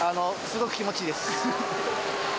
すごく気持ちいいです。